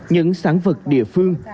những sản vật địa phương